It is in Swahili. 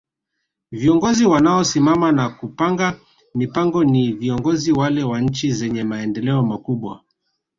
Viongozi wanao simama na kupanga mipango ni viongozi wale wa nchi zenye maendeleo makubwa